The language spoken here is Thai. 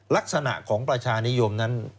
ลักษณะของประชานิยมนั้น